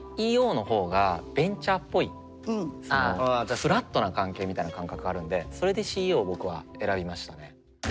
フラットな関係みたいな感覚があるんでそれでＣＥＯを僕は選びましたね。